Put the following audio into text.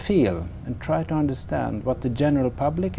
khi tôi đến đây tôi đã sẵn sàng nhưng tôi vẫn rất chắc chắn